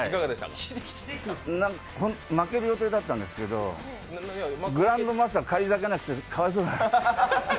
負ける予定だったんですけど、グランドマスター、返り咲かなくてかわいそうだな。